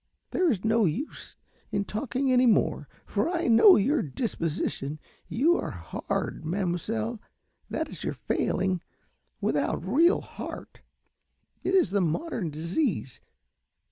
There is no use in talking any more, for I know your disposition. You are hard, mademoiselle, that is your failing without real heart. It is the modern disease.